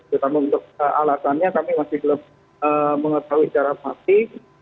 terutama untuk alasannya kami masih belum mengetahui secara pasti